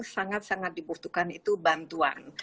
sangat sangat dibutuhkan itu bantuan